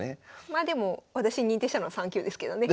まあでも私認定したのは３級ですけどね。